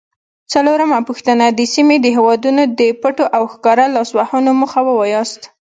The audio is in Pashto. څلورمه پوښتنه: د سیمې د هیوادونو د پټو او ښکاره لاسوهنو موخې ووایاست؟